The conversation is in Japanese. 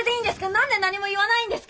何で何も言わないんですか。